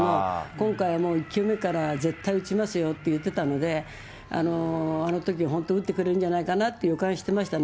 今回はもう、いけるから、打ちますよって言ってたので、あのとき本当に打ってくれるんじゃないかなって予感してましたね。